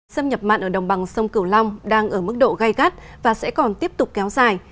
xâm nhập mặn ở đồng bằng sông cửu long đang ở mức độ gai gắt và sẽ còn tiếp tục kéo dài